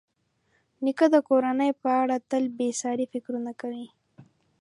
نیکه د کورنۍ په اړه تل بېساري فکرونه کوي.